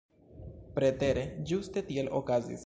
Pretere, ĝuste tiel okazis.